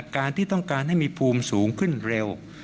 การที่ต้องการให้มีภูมิสูงขึ้นเร็ว